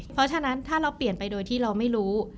เพราะฉะนั้นถ้าเราเปลี่ยนไปโดยที่เราไม่รู้